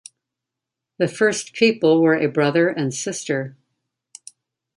The first people were a brother and sister.